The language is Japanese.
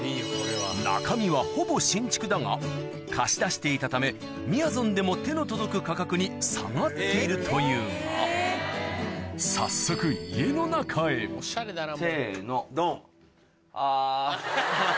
中身はほぼ新築だが貸し出していたためみやぞんでも手の届く価格に下がっているというが早速せのドン。